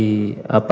ada juga dari